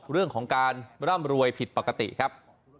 เรื่องของการร่ำรวยผิดปกติครับ